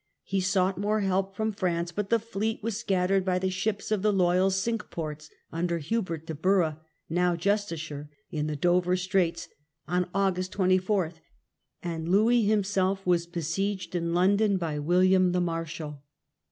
He sought more help from France, but the fleet was scattered by the ships of the loyal Cinque Ports, under Hubert de Burgh (now justiciar), in the Dover Straits, on August 24, and Louis himself was besieged in London by William the Marshal.